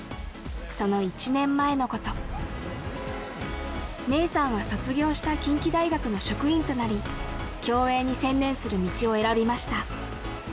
その１年前のことメイさんは卒業した近畿大学の職員となり競泳に専念する道を選びました